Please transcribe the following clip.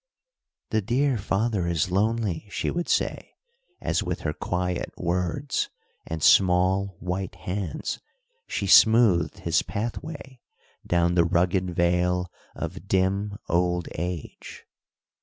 "The dear father is lonely," she would say, as with her quiet words, and small, white hands she smoothed his pathway down the rugged vale of dim old age.